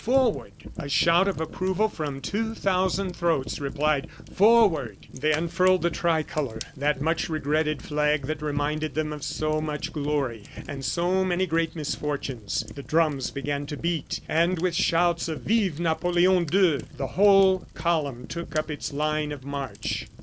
Forward!" A shout of approval from two thousand throats replied: "Forward!" They unfurled the tri color, that much regretted flag that reminded them of so much glory, and so many great misfortunes; the drums began to beat, and with shouts of: "Vive Napoleon II.!" the whole column took up its line of march.